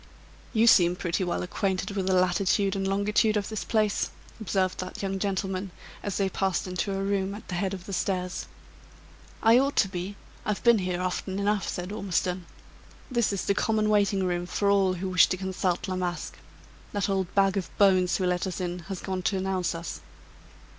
"You seem pretty well acquainted with the latitude and longitude of this place," observed that young gentleman, as they passed into a room at the head of the stairs. "I ought to be; I've been here often enough," said Ormiston. "This is the common waiting room for all who wish to consult La Masque. That old bag of bones who let us in has gone to announce us."